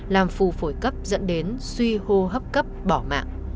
làm phù phổi cấp dẫn đến suy hô hấp cấp bỏ mạng